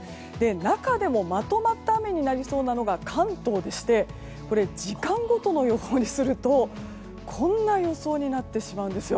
中でもまとまった雨になりそうなのが関東でして時間ごとの予報にするとこんな予想になってしまうんです。